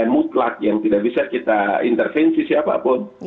mutlak yang tidak bisa kita intervensi siapapun